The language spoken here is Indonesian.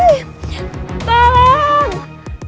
tidak ada siapa lagi